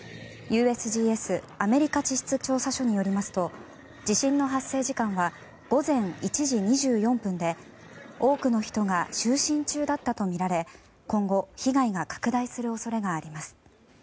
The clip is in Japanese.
ＵＳＧＳ・アメリカ地質調査所によりますと地震の発生時間は午前１時２４分で多くの人が就寝中だったとみられ今後、被害が拡大する恐れがあります。